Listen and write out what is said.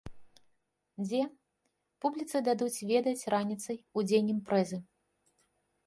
Дзе, публіцы дадуць ведаць раніцай у дзень імпрэзы.